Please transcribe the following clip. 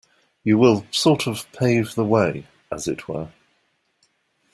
You will sort of pave the way, as it were.